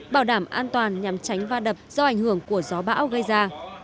bảo đảm an toàn nhằm tránh va đập do ảnh hưởng của gió bão gây ra